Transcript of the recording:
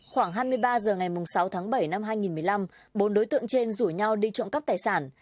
khoảng hai mươi ba h ngày sáu tháng bảy năm hai nghìn một mươi năm bốn đối tượng trên rủ nhau đi trộm cắp tài sản